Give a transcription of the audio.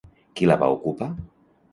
Qui la va ocupar?